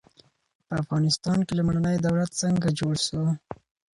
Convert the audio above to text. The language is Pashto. په افغانستان کې لومړنی دولت څنګه جوړ سو؟